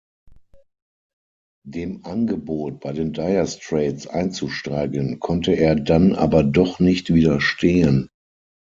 Dem Angebot, bei den Dire Straits einzusteigen, konnte er dann aber doch nicht widerstehen.